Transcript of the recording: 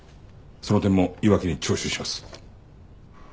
その点も岩城に聴取します。